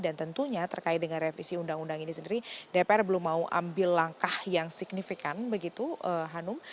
dan tentunya terkait dengan revisi undang undang ini sendiri dpr belum mau ambil langkah yang signifikan begitu hanum